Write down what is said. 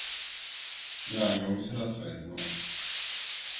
Jāņogas ir atsvaidzinošas.